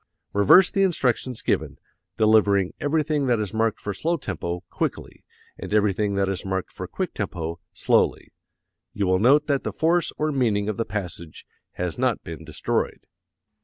Reverse the instructions given, delivering everything that is marked for slow tempo, quickly; and everything that is marked for quick tempo, slowly. You will note that the force or meaning of the passage has not been destroyed.